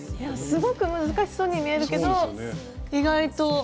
すごく難しそうに見えるけど意外と。